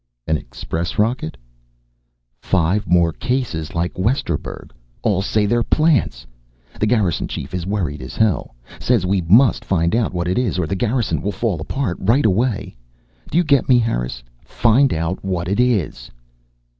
"An express rocket?" "Five more cases like Westerburg. All say they're plants! The Garrison Chief is worried as hell. Says we must find out what it is or the Garrison will fall apart, right away. Do you get me, Harris? Find out what it is!"